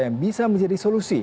yang bisa menjadi solusi